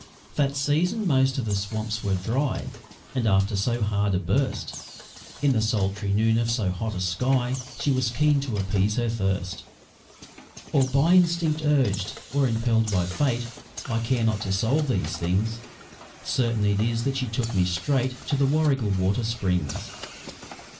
That season most of the swamps were dry, And after so hard a burst, In the sultry noon of so hot a sky, She was keen to appease her thirst Or by instinct urged or impelled by fate I care not to solve these things Certain it is that she took me straight To the Warrigal water springs.